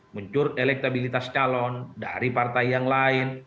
muncul elektabilitas calon dari partai yang lain